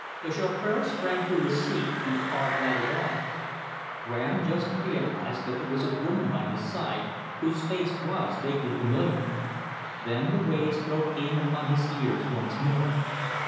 The chauffeur sprang to his seat and the car glided off. Graham just realised that there was a woman by his side whose face was vaguely familiar. Then the waves broke in upon his ears once more.